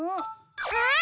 あっ！